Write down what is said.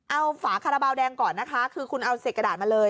เอาฝาคาราบาลแดงก่อนนะคะคือคุณเอาเศษกระดาษมาเลย